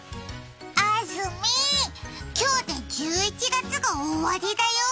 あーずみー、今日で１１月が終わりだよ。